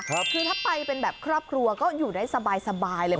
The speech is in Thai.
คือถ้าไปเป็นแบบครอบครัวก็อยู่ได้สบายสบายเลย